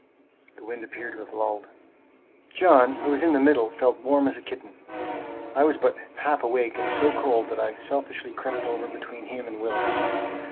The wind appeared to have lulled. John, who was in the middle, felt warm as a kitten. I was but half awake, and so cold that I selfishly crept over between him and Willis.